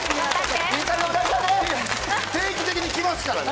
定期的に来ますからね。